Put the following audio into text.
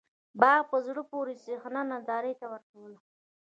باغ په زړه پورې صحنه نندارې ته ورکوّله.